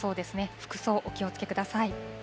服装、お気をつけください。